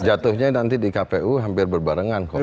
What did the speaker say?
jatuhnya nanti di kpu hampir berbarengan